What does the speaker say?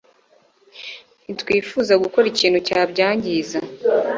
Ntitwifuza gukora ikintu cyabyangiza